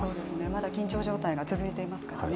まだ緊張状態が続いていますからね。